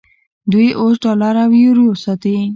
دوی اوس ډالر او یورو ساتي.